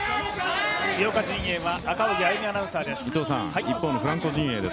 井岡陣営は赤荻歩アナウンサーです。